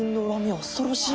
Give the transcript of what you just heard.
あ恐ろしい。